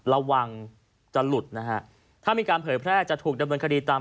ระวังจะหลุดนะฮะถ้ามีการเผยแพร่จะถูกดำเนินคดีตาม